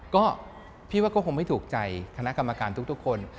ก็พี่ว่าก็คงไม่ถูกใจคณะกรรมการทุกคน